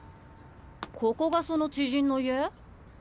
ここがその知人の家？